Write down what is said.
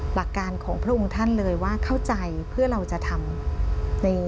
หลักการของพระองค์ท่านเลยว่าเข้าใจเพื่อเราจะทำใน